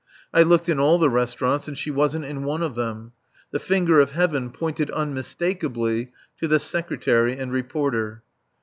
I looked in all the restaurants and she wasn't in one of them. The finger of Heaven pointed unmistakably to the Secretary and Reporter.